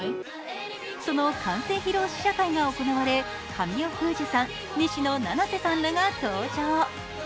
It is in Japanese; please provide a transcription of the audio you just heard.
その完成披露試写会が行われ神尾楓珠さん、西野七瀬さんらが登場。